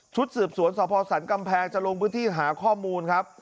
ชุดสืบสวนสภาวสรรค์กำแพงจะลงพื้นที่หาข้อมูลครับ